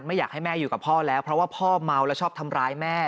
ไม่อยากให้แม่อยู่กับพ่อแล้วเพราะว่าพ่อเมาแล้วชอบทำร้ายแม่